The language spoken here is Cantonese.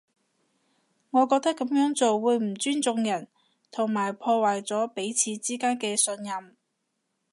我覺得噉樣做會唔尊重人，同埋破壞咗彼此之間嘅信任